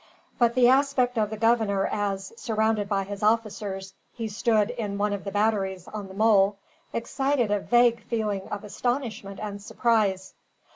But the aspect of the governor as, surrounded by his officers, he stood in one of the batteries on the mole, excited a vague feeling of astonishment and surprise.